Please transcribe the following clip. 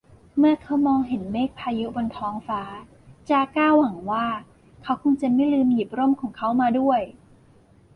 เมื่อเขามองเห็นเมฆพายุบนท้องฟ้า จาก้าหวังว่า เขาคงจะไม่ลืมหยิบร่มของเขามาด้วย